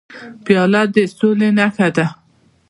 پیاله د سولې نښه ده.